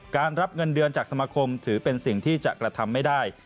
รับเงินเดือนจากสมาคมถือเป็นสิ่งที่จะกระทำไม่ได้